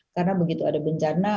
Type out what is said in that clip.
karena begitu ada bencana